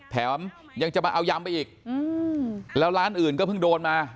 แถมยังจะมาเอายำไปอีกแล้วร้านอื่นก็เพิ่งโดนมา